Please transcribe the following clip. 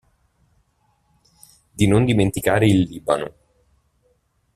Di non dimenticare il Libano.